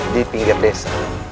di pinggir desa